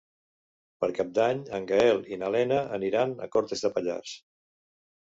Per Cap d'Any en Gaël i na Lena aniran a Cortes de Pallars.